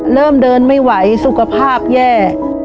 เริ่มเดินไม่ไหวสุขภาพแย่